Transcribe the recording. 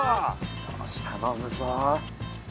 よし頼むぞ。